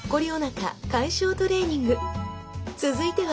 続いては